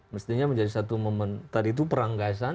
mestinya menjadi satu momen